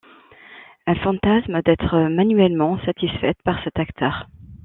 Elle fantasme d’être manuellement satisfaite par cet acteur.